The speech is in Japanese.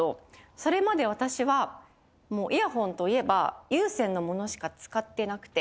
それまで私はイヤホンといえば有線のものしか使ってなくて。